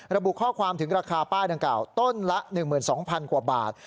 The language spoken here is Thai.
ระบุข้อความถึงราคาป้ายดังกล่าวต้นละ๑๒๐๐๐กว่าบาท